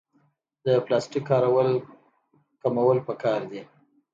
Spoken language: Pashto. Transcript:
د پلاستیک کارول کمول پکار دي